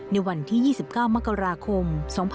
ในวันที่๒๙มกราคม๒๕๖๒